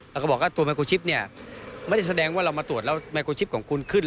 แล้วก็บอกว่าตัวไมโครชิปเนี่ยไม่ได้แสดงว่าเรามาตรวจแล้วไมโครชิปของคุณขึ้น